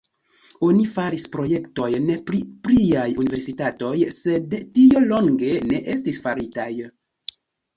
Oni faris projektojn pri pliaj universitatoj, sed tio longe ne estis faritaj.